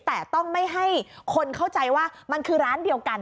แต่ต้องไม่ให้คนเข้าใจว่ามันคือร้านเดียวกัน